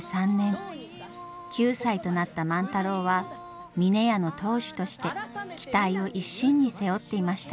９歳となった万太郎は峰屋の当主として期待を一身に背負っていました。